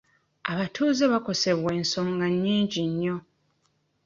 Abatuuze bakosebwa ensonga nnyingi nnyo.